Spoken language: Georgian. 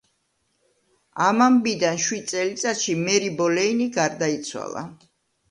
ამ ამბიდან შვიდ წელიწადში მერი ბოლეინი გარდაიცვალა.